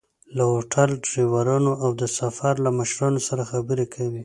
له هوټل، ډریورانو او د سفر له مشرانو سره خبرې کوي.